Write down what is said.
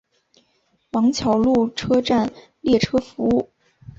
王桥路车站列车服务。